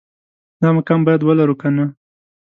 دا مقام باید ولرو که نه